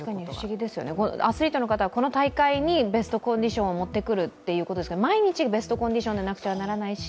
アスリートの方は、この大会にベストコンディションを持ってくるっていうことですけど、毎日ベストコンディションでなくてはならないし。